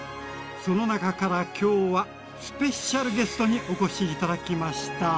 その中から今日はスペシャルゲストにお越し頂きました。